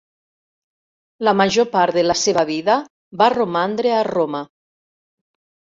La major part de la seva vida va romandre a Roma.